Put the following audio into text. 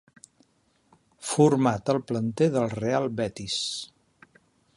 Format al planter del Real Betis.